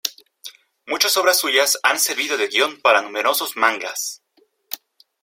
Muchas obras suyas han servido de guion para numerosos "mangas".